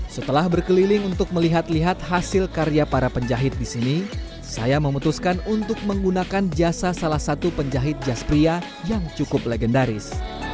setelah berkeliling untuk melihat lihat hasil karya para penjahit di sini saya memutuskan untuk menggunakan jasa salah satu penjahit jas pria yang cukup legendaris